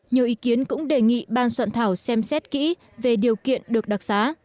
nhiều ý kiến cũng đề nghị ban soạn thảo xem xét kỹ về điều kiện được đặc xá